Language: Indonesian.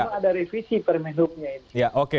tapi memang ada revisi permen hope nya ini